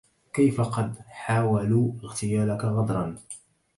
كيف قد حاولوا اغتيالك غدرا